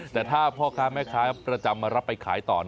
แต่ถ้าพ่อค้าแม่ค้าประจำมารับไปขายต่อ